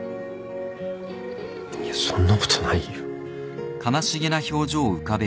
いやそんなことないよ。